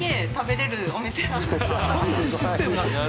そんなシステムなんですか。